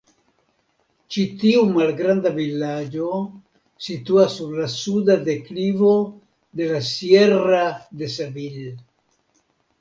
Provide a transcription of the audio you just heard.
Ĉi tiu malgranda vilaĝo situas sur la suda deklivo de la "Sierra de Sevil".